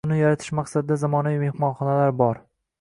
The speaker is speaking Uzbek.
Uni yaratish maqsadida zamonaviy mehmonxonalar bor.